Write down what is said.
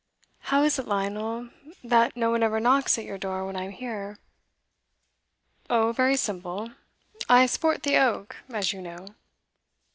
'How is it, Lionel, that no one ever knocks at your door when I'm here.' 'Oh, very simple. I sport the oak as you know.